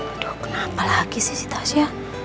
aduh kenapa lagi sih tasnya